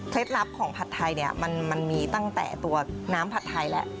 เคล็ดลับของผัดไทยนี่มันมีตั้งแต่ตัวน้ำผัดไทยแหละ